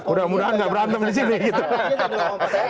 mudah mudahan nggak berantem di sini gitu